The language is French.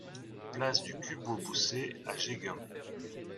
Place du Cubo Bousset à Jegun